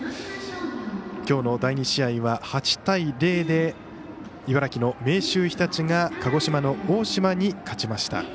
きょうの第２試合は８対０で茨城、明秀日立が鹿児島、大島に勝ちました。